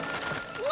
うわ。